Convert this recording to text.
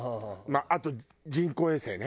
あと人工衛星ね。